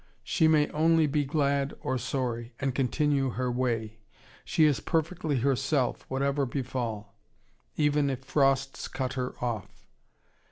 She may only be glad or sorry, and continue her way. She is perfectly herself, whatever befall! even if frosts cut her off.